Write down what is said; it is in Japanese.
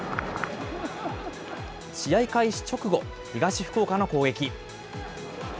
試合開始直後、東福岡の攻撃。